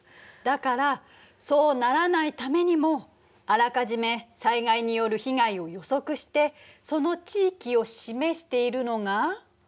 だからそうならないためにもあらかじめ災害による被害を予測してその地域を示しているのが？